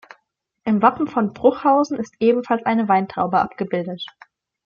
Im Wappen von Bruchhausen ist ebenfalls eine Weintraube abgebildet.